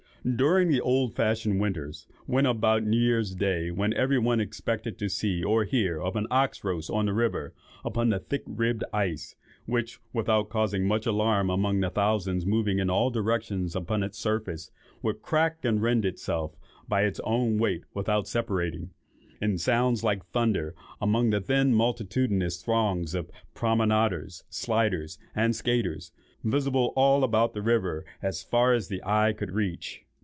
"During the old fashioned winters, when about New year's day every one expected to see or hear of an ox roast on the river, upon the thick ribbed ice, which, without causing much alarm among the thousands moving in all directions upon its surface, would crack and rend itself by its own weight without separating, in sounds like thunder, among the then multitudinous throngs of promenaders, sliders, and skaiters, visible all about the river, as far as the eye could reach.